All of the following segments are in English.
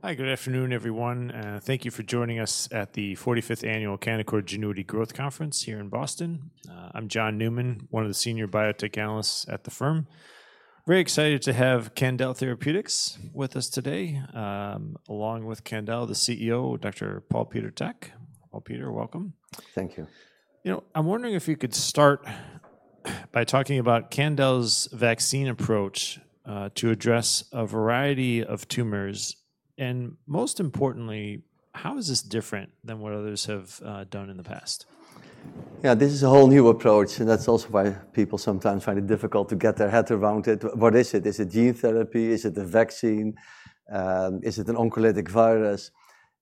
Hi, good afternoon, everyone. Thank you for joining us at the 45th Annual Canaccord Genuity Growth Conference here in Boston. I'm John Newman, one of the Senior Biotech Analysts at the firm. We're very excited to have Candel Therapeutics with us today, along with Candel, the CEO, Dr. Paul-Peter Tak. Paul-Peter, welcome. Thank you. I'm wondering if you could start by talking about Candel's vaccine approach to address a variety of tumors. Most importantly, how is this different than what others have done in the past? Yeah, this is a whole new approach. That's also why people sometimes find it difficult to get their head around it. What is it? Is it gene therapy? Is it a vaccine? Is it an oncolytic virus?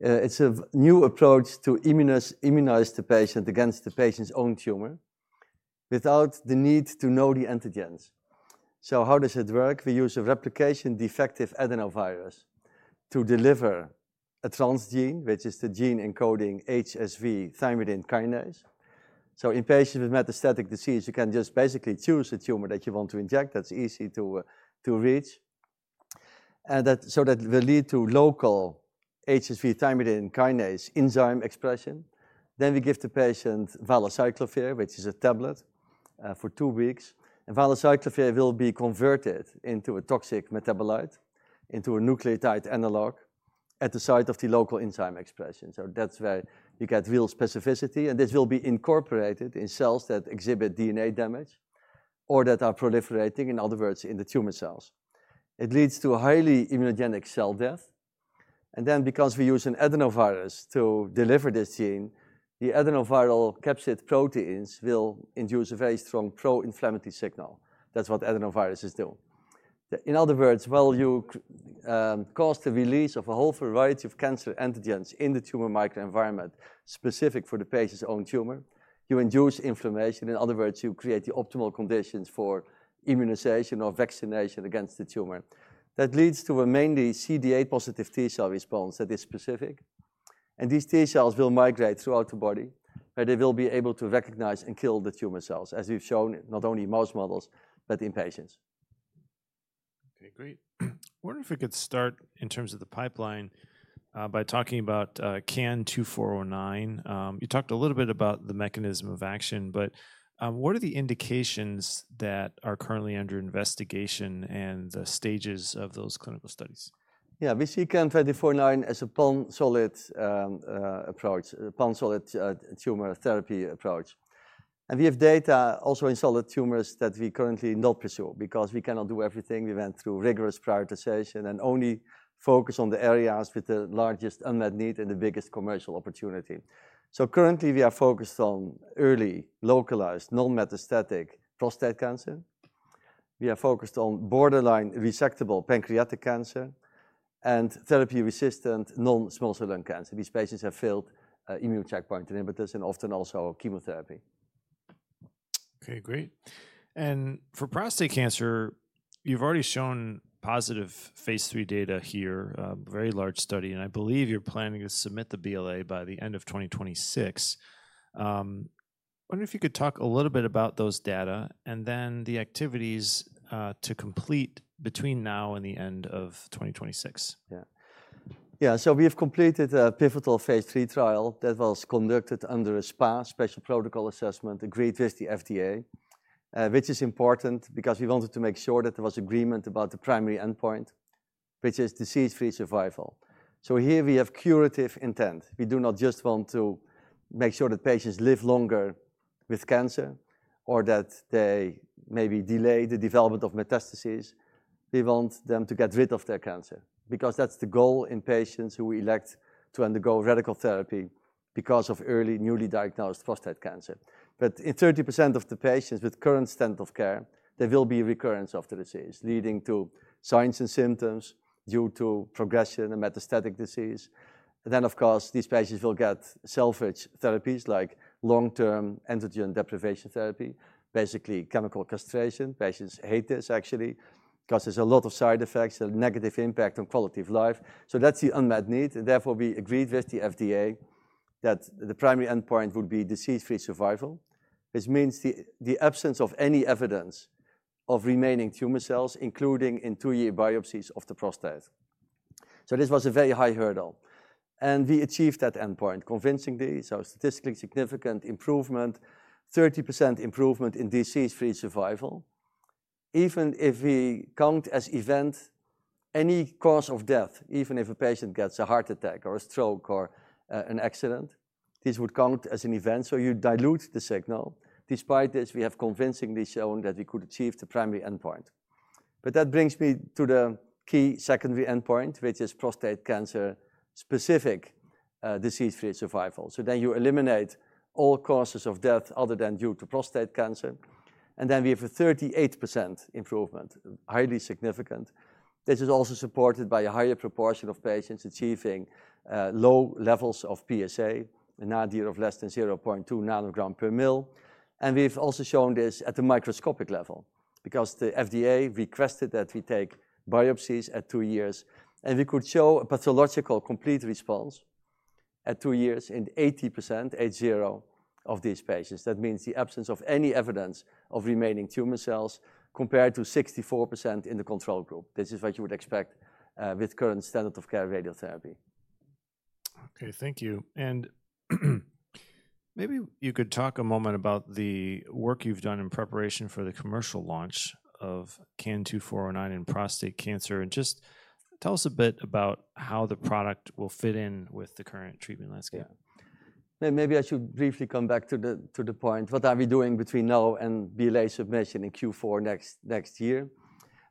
It's a new approach to immunize the patient against the patient's own tumor without the need to know the antigens. How does it work? We use a replication-defective adenovirus to deliver a transgene, which is the gene encoding HSV thymidine kinase. In patients with metastatic disease, you can just basically choose a tumor that you want to inject that's easy to reach. That will lead to local HSV thymidine kinase enzyme expression. We give the patient valacyclovir, which is a tablet for two weeks. Valacyclovir will be converted into a toxic metabolite into a nucleotide analog at the site of the local enzyme expression. That's where you get real specificity. This will be incorporated in cells that exhibit DNA damage or that are proliferating, in other words, in the tumor cells. It leads to a highly immunogenic cell death. Because we use an adenovirus to deliver this gene, the adenoviral capsid proteins will induce a very strong pro-inflammatory signal. That's what adenoviruses do. In other words, while you cause the release of a whole variety of cancer antigens in the tumor microenvironment specific for the patient's own tumor, you induce inflammation. You create the optimal conditions for immunization or vaccination against the tumor. That leads to a mainly CD8 positive T cell response that is specific. These T cells will migrate throughout the body, where they will be able to recognize and kill the tumor cells, as we've shown not only in mouse models but in patients. OK, great. I wonder if we could start in terms of the pipeline by talking about CAN-2409. You talked a little bit about the mechanism of action, but what are the indications that are currently under investigation and the stages of those clinical studies? Yeah, we see CAN-2409 as a pan-solid tumor therapy approach. We have data also in solid tumors that we currently do not pursue because we cannot do everything. We went through rigorous prioritization and only focused on the areas with the largest unmet need and the biggest commercial opportunity. Currently, we are focused on early localized non-metastatic prostate cancer. We are focused on borderline resectable pancreatic cancer and therapy-resistant non-small cell lung cancer. These patients have failed immune checkpoint inhibitors and often also chemotherapy. OK, great. For prostate cancer, you've already shown positive phase III data here, a very large study. I believe you're planning to submit the BLA by the end of 2026. I wonder if you could talk a little bit about those data and the activities to complete between now and the end of 2026. Yeah. Yeah, so we have completed a pivotal phase III trial that was conducted under a SPA, Special Protocol Assessment, agreed with the FDA, which is important because we wanted to make sure that there was agreement about the primary endpoint, which is disease-free survival. Here we have curative intent. We do not just want to make sure that patients live longer with cancer or that they maybe delay the development of metastases. We want them to get rid of their cancer because that's the goal in patients who elect to undergo radical therapy because of early, newly diagnosed prostate cancer. In 30% of the patients with current standard of care, there will be a recurrence of the disease leading to signs and symptoms due to progression and metastatic disease. Of course, these patients will get salvage therapies like long-term antigen deprivation therapy, basically chemical castration. Patients hate this, actually, because there's a lot of side effects and a negative impact on quality of life. That's the unmet need. Therefore, we agreed with the FDA that the primary endpoint would be disease-free survival, which means the absence of any evidence of remaining tumor cells, including in two-year biopsies of the prostate. This was a very high hurdle. We achieved that endpoint convincingly, so statistically significant improvement, 30% improvement in disease-free survival. Even if we count as event any cause of death, even if a patient gets a heart attack or a stroke or an accident, these would count as an event. You dilute the signal. Despite this, we have convincingly shown that we could achieve the primary endpoint. That brings me to the key secondary endpoint, which is prostate cancer specific disease-free survival. You eliminate all causes of death other than due to prostate cancer. We have a 38% improvement, highly significant. This is also supported by a higher proportion of patients achieving low levels of PSA, a nadir of less than 0.2 ng/mL. We've also shown this at the microscopic level because the FDA requested that we take biopsies at two years. We could show a pathological complete response at two years in 80%, H0, of these patients. That means the absence of any evidence of remaining tumor cells compared to 64% in the control group. This is what you would expect with current standard of care radiotherapy. OK, thank you. Maybe you could talk a moment about the work you've done in preparation for the commercial launch of CAN-2409 in prostate cancer, and just tell us a bit about how the product will fit in with the current treatment landscape. Yeah. Maybe I should briefly come back to the point, what are we doing between now and BLA submission in Q4 next year?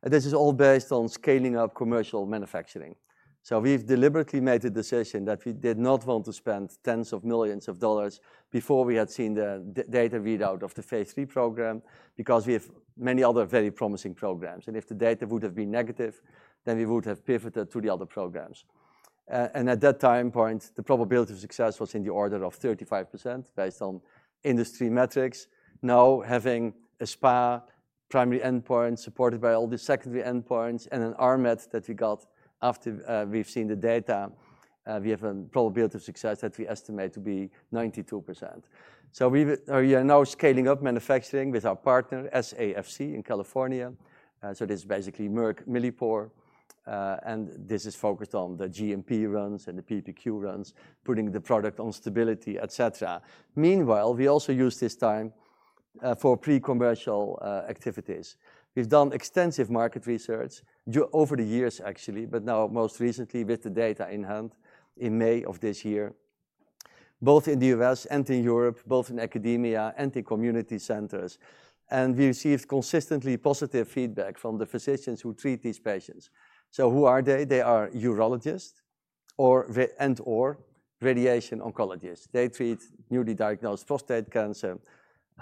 This is all based on scaling up commercial manufacturing. We deliberately made a decision that we did not want to spend tens of millions of dollars before we had seen the data readout of the phase III program because we have many other very promising programs. If the data would have been negative, then we would have pivoted to the other programs. At that time point, the probability of success was in the order of 35% based on industry metrics. Now, having a SPA primary endpoint supported by all the secondary endpoints and an RMET that we got after we've seen the data, we have a probability of success that we estimate to be 92%. We are now scaling up manufacturing with our partner, SAFC, in California. That's basically Merck Millipore. This is focused on the GMP runs and the PPQ runs, putting the product on stability, et cetera. Meanwhile, we also use this time for pre-commercial activities. We've done extensive market research over the years, actually, but now most recently with the data in hand in May of this year, both in the U.S. and in Europe, both in academia and in community centers. We received consistently positive feedback from the physicians who treat these patients. Who are they? They are urologists and/or radiation oncologists. They treat newly diagnosed prostate cancer.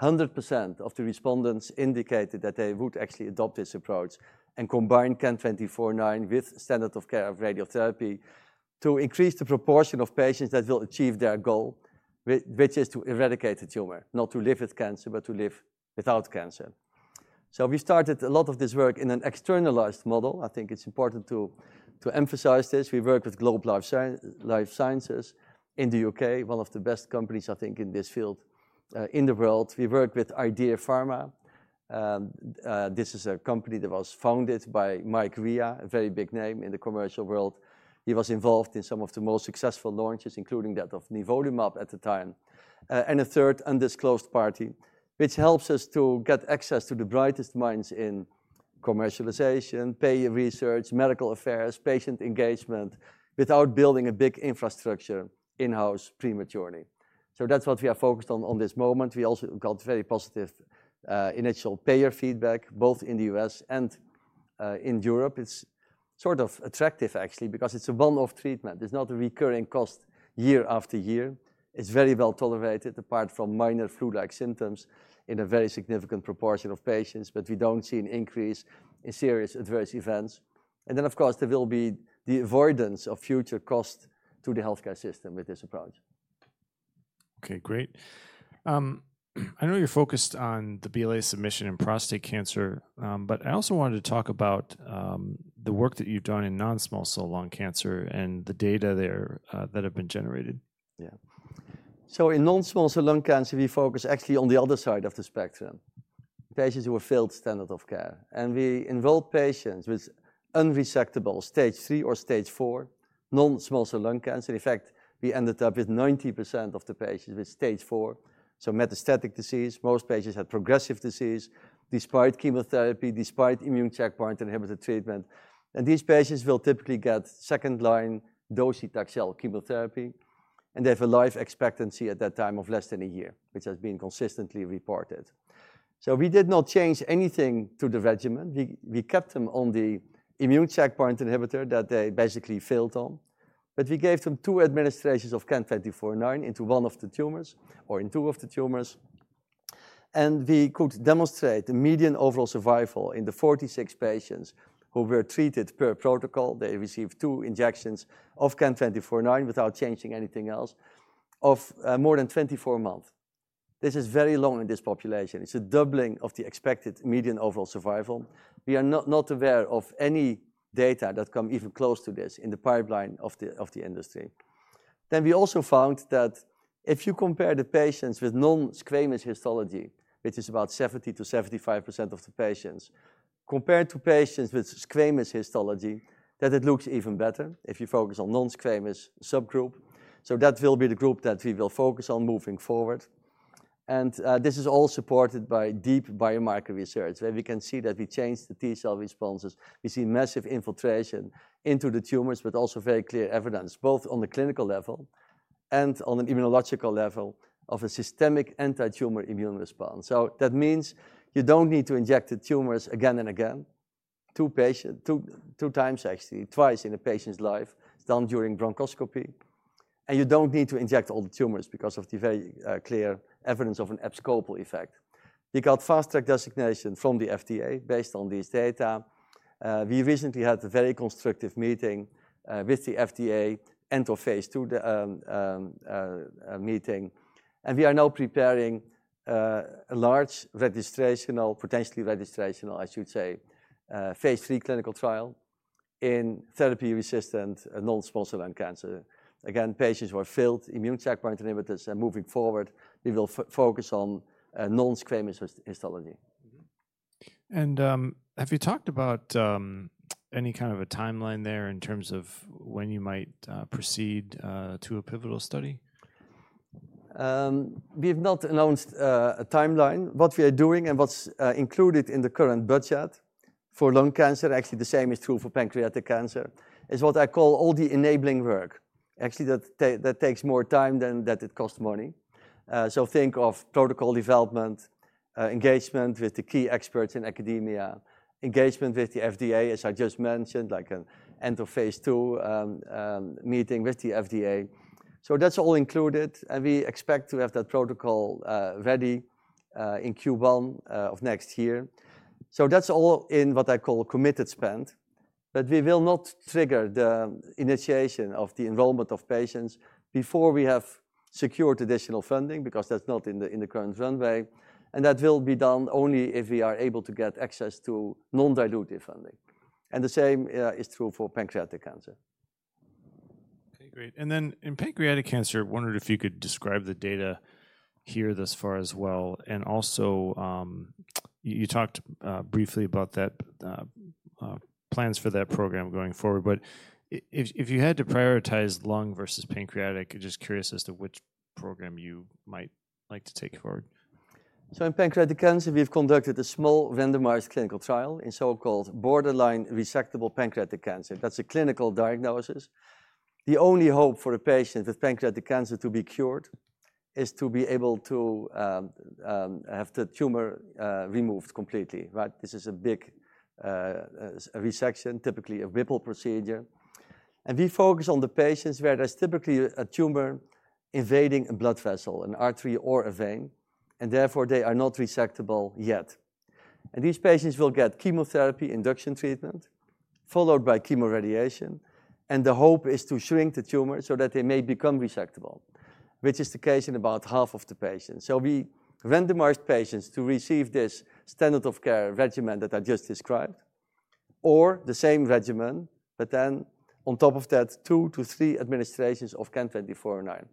100% of the respondents indicated that they would actually adopt this approach and combine CAN-2409 with standard of care radiotherapy to increase the proportion of patients that will achieve their goal, which is to eradicate the tumor, not to live with cancer, but to live without cancer. We started a lot of this work in an externalized model. I think it's important to emphasize this. We work with Globe Life Sciences in the U.K., one of the best companies, I think, in this field in the world. We work with IDEA Pharma. This is a company that was founded by Mike Rea, a very big name in the commercial world. He was involved in some of the most successful launches, including that of Nivolumab at the time, and a third undisclosed party, which helps us to get access to the brightest minds in commercialization, payer research, medical affairs, patient engagement without building a big infrastructure in-house prematurely. That's what we are focused on at this moment. We also got very positive initial payer feedback, both in the U.S. and in Europe. It's sort of attractive, actually, because it's a one-off treatment. It's not a recurring cost year after year. It's very well tolerated, apart from minor flu-like symptoms in a very significant proportion of patients. We don't see an increase in serious adverse events. Of course, there will be the avoidance of future costs to the health care system with this approach. OK, great. I know you're focused on the BLA submission in prostate cancer, but I also wanted to talk about the work that you've done in non-small cell lung cancer and the data there that have been generated. Yeah. In non-small cell lung cancer, we focus actually on the other side of the spectrum, patients who have failed standard of care. We enroll patients with unresectable stage III or stage IV non-small cell lung cancer. In fact, we ended up with 90% of the patients with stage IV, so metastatic disease. Most patients had progressive disease despite chemotherapy, despite immune checkpoint inhibitor treatment. These patients will typically get second-line docetaxel chemotherapy. They have a life expectancy at that time of less than a year, which has been consistently reported. We did not change anything to the regimen. We kept them on the immune checkpoint inhibitor that they basically failed on. We gave them two administrations of CAN-2409 into one of the tumors or in two of the tumors. We could demonstrate the median overall survival in the 46 patients who were treated per protocol. They received two injections of CAN-2409 without changing anything else of more than 24 months. This is very low in this population. It's a doubling of the expected median overall survival. We are not aware of any data that come even close to this in the pipeline of the industry. We also found that if you compare the patients with non-squamous histology, which is about 70%-75% of the patients, compared to patients with squamous histology, it looks even better if you focus on the non-squamous subgroup. That will be the group that we will focus on moving forward. This is all supported by deep biomarker research where we can see that we changed the T cell responses. We see massive infiltration into the tumors, but also very clear evidence, both on the clinical level and on an immunological level, of a systemic anti-tumor immune response. That means you don't need to inject the tumors again and again, two times, actually, twice in a patient's life. It's done during bronchoscopy. You don't need to inject all the tumors because of the very clear evidence of an epsilon effect. We got Fast Track designation from the FDA based on these data. We recently had a very constructive meeting with the FDA end of phase II meeting. We are now preparing a large, potentially registrational, phase III clinical trial in therapy-resistant non-small cell lung cancer. Again, patients who have failed immune checkpoint inhibitors. Moving forward, we will focus on non-squamous histology. Have you talked about any kind of a timeline there in terms of when you might proceed to a pivotal study? We have not announced a timeline. What we are doing and what's included in the current budget for lung cancer, actually the same is true for pancreatic cancer, is what I call all the enabling work. That takes more time than it costs money. Think of protocol development, engagement with the key experts in academia, engagement with the FDA, as I just mentioned, like an end of phase II meeting with the FDA. That's all included. We expect to have that protocol ready in Q1 of next year. That's all in what I call committed spend. We will not trigger the initiation of the enrollment of patients before we have secured additional funding because that's not in the current runway. That will be done only if we are able to get access to non-dilutive funding. The same is true for pancreatic cancer. OK, great. In pancreatic cancer, I wondered if you could describe the data here thus far as well. You talked briefly about the plans for that program going forward. If you had to prioritize lung versus pancreatic, I'm just curious as to which program you might like to take forward. In pancreatic cancer, we've conducted a small randomized clinical trial in so-called borderline resectable pancreatic cancer. That's a clinical diagnosis. The only hope for a patient with pancreatic cancer to be cured is to be able to have the tumor removed completely. This is a big resection, typically a Whipple procedure. We focus on the patients where there's typically a tumor invading a blood vessel, an artery, or a vein. Therefore, they are not resectable yet. These patients will get chemotherapy induction treatment followed by chemoradiation. The hope is to shrink the tumor so that they may become resectable, which is the case in about half of the patients. We randomize patients to receive this standard of care regimen that I just described or the same regimen, but then on top of that, two to three administrations of CAN-2409.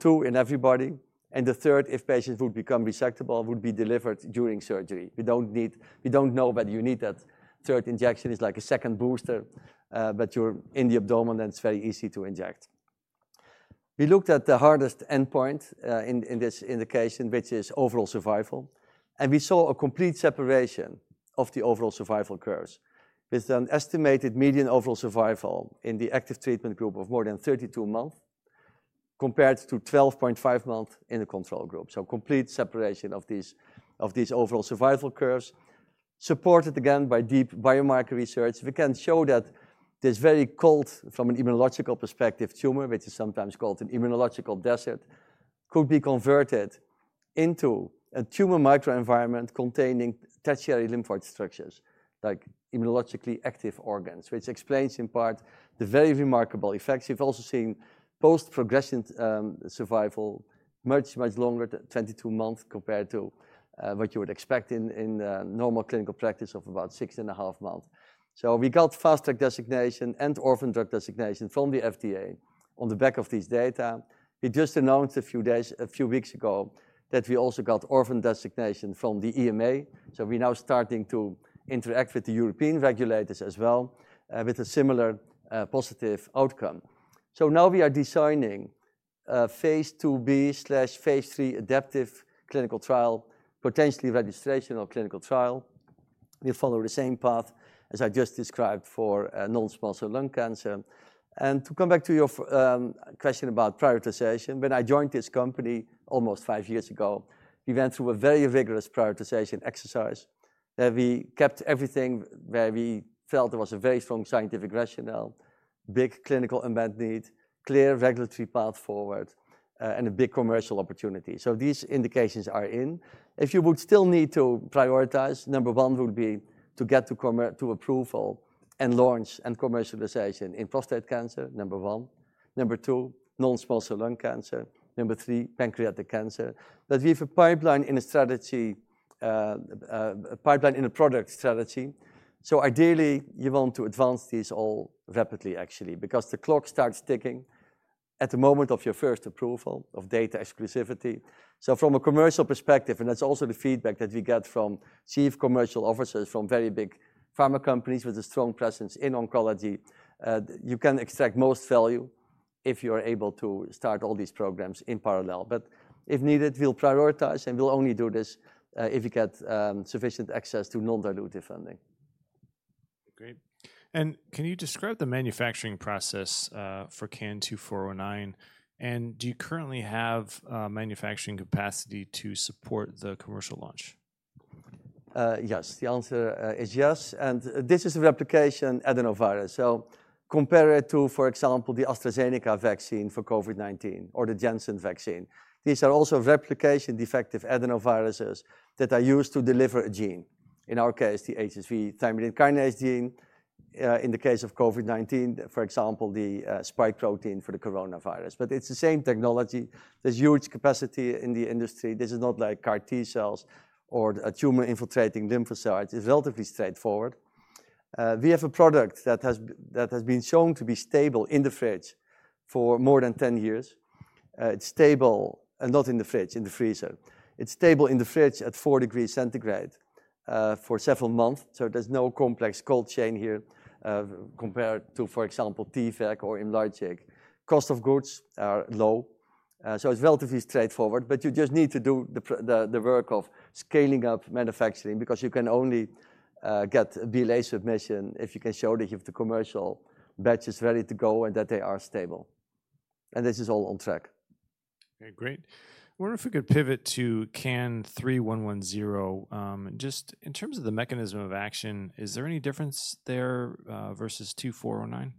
Two in everybody, and the third, if patients would become resectable, would be delivered during surgery. We don't know whether you need that third injection. It's like a second booster. You're in the abdomen, and it's very easy to inject. We looked at the hardest endpoint in this indication, which is overall survival. We saw a complete separation of the overall survival curves. There's an estimated median overall survival in the active treatment group of more than 32 months compared to 12.5 months in the control group. Complete separation of these overall survival curves is supported, again, by deep biomarker research. We can show that this very cold, from an immunological perspective, tumor, which is sometimes called an immunological desert, could be converted into a tumor microenvironment containing tertiary lymphoid structures, like immunologically active organs, which explains, in part, the very remarkable effects. We've also seen post-progression survival much, much longer, 22 months, compared to what you would expect in normal clinical practice of about 6.5 months. We got Fast Track designation and Orphan Drug designation from the FDA on the back of these data. We just announced a few weeks ago that we also got Orphan designation from the EMA. We are now starting to interact with the European regulators as well with a similar positive outcome. Now we are designing a phase II-B/phase III adaptive clinical trial, potentially registrational clinical trial. We'll follow the same path as I just described for non-small cell lung cancer. To come back to your question about prioritization, when I joined this company almost five years ago, we went through a very rigorous prioritization exercise where we kept everything where we felt there was a very strong scientific rationale, big clinical unmet need, clear regulatory path forward, and a big commercial opportunity. These indications are in. If you would still need to prioritize, number one would be to get to approval and launch and commercialization in prostate cancer, number one. Number two, non-small cell lung cancer. Number three, pancreatic cancer. We have a pipeline in a strategy, a pipeline in a product strategy. Ideally, you want to advance these all rapidly, actually, because the clock starts ticking at the moment of your first approval of data exclusivity. From a commercial perspective, and that's also the feedback that we get from Chief Commercial Officers from very big pharma companies with a strong presence in oncology, you can extract most value if you are able to start all these programs in parallel. If needed, we'll prioritize. We'll only do this if we get sufficient access to non-dilutive funding. Great. Can you describe the manufacturing process for CAN-2409? Do you currently have manufacturing capacity to support the commercial launch? Yes, the answer is yes. This is a replication-defective adenovirus. Compare it to, for example, the AstraZeneca vaccine for COVID-19 or the Janssen vaccine. These are also replication-defective adenoviruses that are used to deliver a gene, in our case, the HSV thymidine kinase gene. In the case of COVID-19, for example, the spike protein for the coronavirus. It's the same technology. There's huge capacity in the industry. This is not like CAR T cells or tumor infiltrating lymphocytes. It's relatively straightforward. We have a product that has been shown to be stable in the fridge for more than 10 years. It's stable, and not in the fridge, in the freezer. It's stable in the fridge at 4 degrees centigrade for several months. There's no complex cold chain here compared to, for example, T-VEC or Imlygic. Cost of goods are low. It's relatively straightforward. You just need to do the work of scaling up manufacturing because you can only get a BLA submission if you can show that you have the commercial batches ready to go and that they are stable. This is all on track. OK, great. I wonder if we could pivot to CAN-3110. Just in terms of the mechanism of action, is there any difference there versus CAN-2409?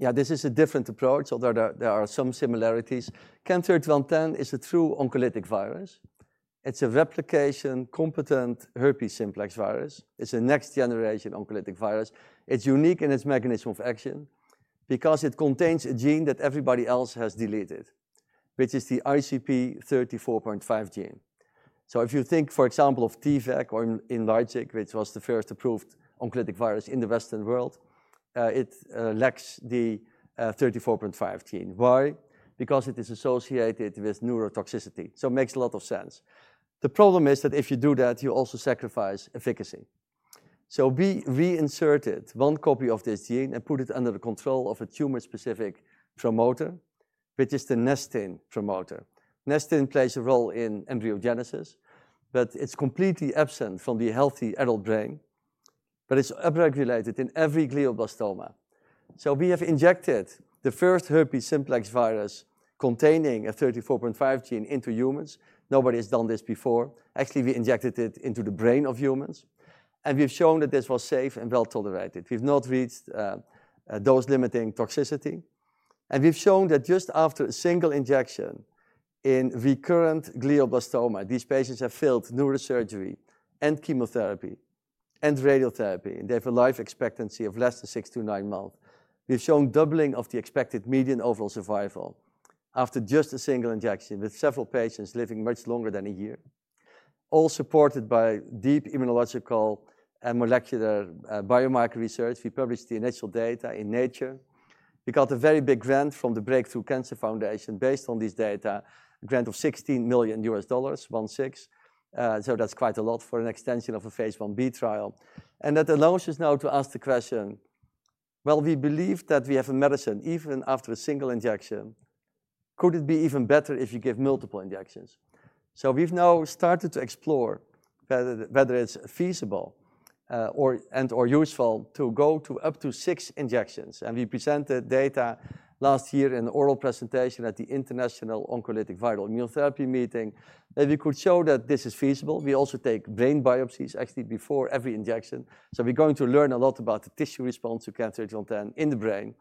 Yeah, this is a different approach, although there are some similarities. CAN-3110 is a true oncolytic virus. It's a replication competent herpes simplex virus. It's a next-generation oncolytic virus. It's unique in its mechanism of action because it contains a gene that everybody else has deleted, which is the ICP34.5 gene. If you think, for example, of T-VEC or Imlygic, which was the first approved oncolytic virus in the Western world, it lacks the 34.5 gene. Why? Because it is associated with neurotoxicity. It makes a lot of sense. The problem is that if you do that, you also sacrifice efficacy. We inserted one copy of this gene and put it under the control of a tumor-specific promoter, which is the Nestin promoter. Nestin plays a role in embryogenesis, but it's completely absent from the healthy adult brain. It's upregulated in every glioblastoma. We have injected the first herpes simplex virus containing a 34.5 gene into humans. Nobody has done this before. Actually, we injected it into the brain of humans, and we've shown that this was safe and well tolerated. We've not reached dose-limiting toxicity, and we've shown that just after a single injection in recurrent glioblastoma, these patients have failed neurosurgery and chemotherapy and radiotherapy, and they have a life expectancy of less than six to nine months. We've shown doubling of the expected median overall survival after just a single injection, with several patients living much longer than a year, all supported by deep immunological and molecular biomarker research. We published the initial data in Nature. We got a very big grant from the Breakthrough Cancer Foundation based on these data, a grant of $16 million, one-six. That's quite a lot for an extension of a phase I-B trial. That allows us now to ask the question, we believe that we have a medicine even after a single injection. Could it be even better if you give multiple injections? We've now started to explore whether it's feasible and/or useful to go up to six injections. We presented data last year in an oral presentation at the International Oncolytic Viral Immunotherapy Meeting that we could show that this is feasible. We also take brain biopsies before every injection, so we're going to learn a lot about the tissue response to CAN-3110 in the brain.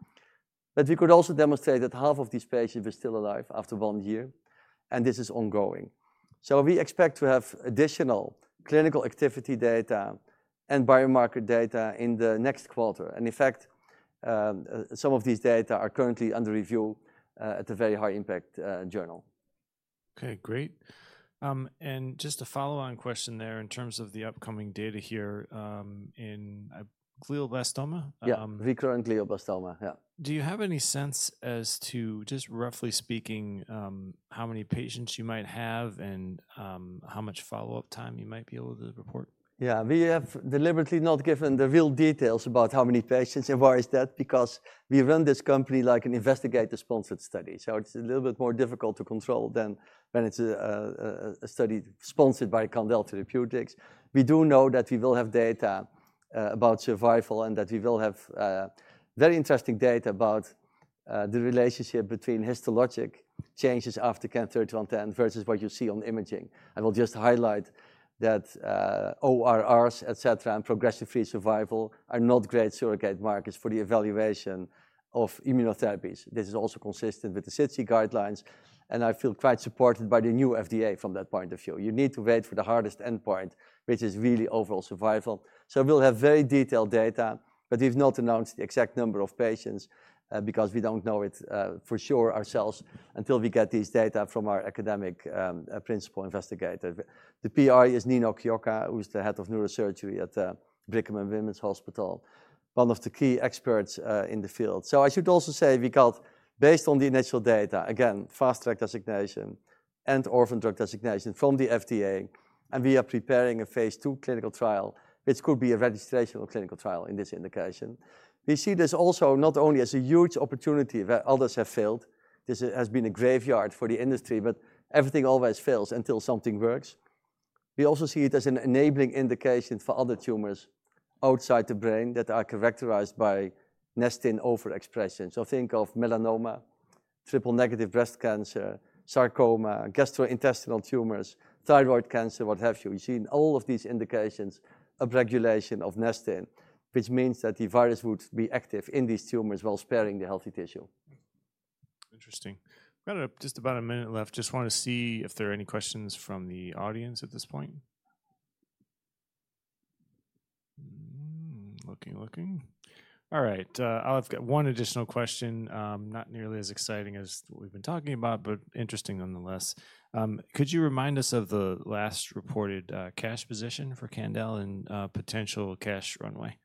We could also demonstrate that half of these patients were still alive after one year, and this is ongoing. We expect to have additional clinical activity data and biomarker data in the next quarter. In fact, some of these data are currently under review at a very high impact journal. OK, great. Just a follow-on question there in terms of the upcoming data here in glioblastoma. Yeah, recurrent glioblastoma, yeah. Do you have any sense as to, just roughly speaking, how many patients you might have and how much follow-up time you might be able to report? Yeah, we have deliberately not given the real details about how many patients and why is that because we run this company like an investigator-sponsored study. It's a little bit more difficult to control than when it's a study sponsored by Candel Therapeutics. We do know that we will have data about survival and that we will have very interesting data about the relationship between histologic changes after CAN-3110 versus what you see on imaging. I will just highlight that ORRs, et cetera, and progression-free survival are not great surrogate markers for the evaluation of immunotherapies. This is also consistent with the CICD guidelines. I feel quite supported by the new FDA from that point of view. You need to wait for the hardest endpoint, which is really overall survival. We'll have very detailed data. We've not announced the exact number of patients because we don't know it for sure ourselves until we get these data from our academic principal investigator. The PI is Nino Chiocca, who is the Head of Neurosurgery at the Brigham and Women's Hospital, one of the key experts in the field. I should also say we got, based on the initial data, again, Fast Track designation and Orphan Drug designation from the FDA. We are preparing a phase II clinical trial, which could be a registrational clinical trial in this indication. We see this also not only as a huge opportunity where others have failed. This has been a graveyard for the industry. Everything always fails until something works. We also see it as an enabling indication for other tumors outside the brain that are characterized by Nestin overexpression. Think of melanoma, triple negative breast cancer, sarcoma, gastrointestinal tumors, thyroid cancer, what have you. You see in all of these indications upregulation of Nestin, which means that the virus would be active in these tumors while sparing the healthy tissue. Interesting. We've got just about a minute left. Just want to see if there are any questions from the audience at this point. Looking, looking. All right. I'll have one additional question, not nearly as exciting as what we've been talking about, but interesting nonetheless. Could you remind us of the last reported cash position for Candel and potential cash runway?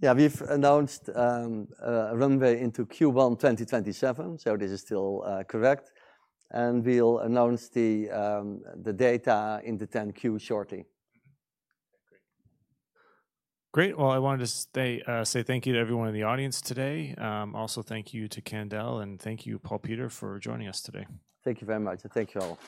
Yeah, we've announced a runway into Q1 2027. This is still correct, and we'll announce the data in the 10-Q shortly. Great. I wanted to say thank you to everyone in the audience today. Also, thank you to Candel. Thank you, Paul-Peter, for joining us today. Thank you very much. Thank you all.